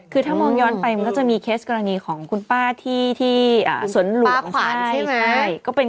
คือมองย้อนไปมันจะมีเคสกรณีของคุณป้าที่สวนหลวงเอิ้นทั่งลั้น